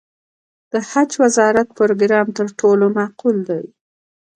د حج وزارت پروګرام تر ټولو معقول دی.